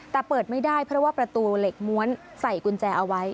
แต่เปิดไม่ได้เพราะว่าประตูเหล็กม้วนใส่กุญแจเอาไว้